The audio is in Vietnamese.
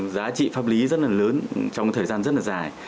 giá trị pháp lý rất là lớn trong thời gian rất là dài